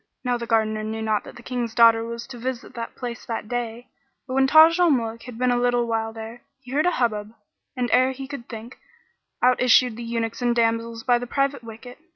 Now the Gardener knew not that the King's daughter was to visit the place that day; but when Taj al Muluk had been a little while there, he heard a hubbub and ere he could think, out issued the eunuchs and damsels by the private wicket.